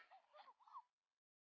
sampai jumpa lagi di video selanjutnya